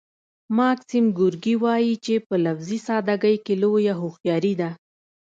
ماکسیم ګورکي وايي چې په لفظي ساده ګۍ کې لویه هوښیاري ده